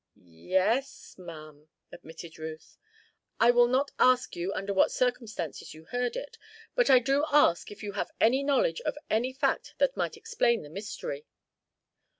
"Ye es, ma'am," admitted Ruth. "I will not ask you under what circumstances you heard it; but I do ask if you have any knowledge of any fact that might explain the mystery?"